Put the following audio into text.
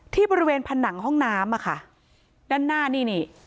ที่บริเวณผนังห้องน้ำอ่ะค่ะด้านหน้านี่นี่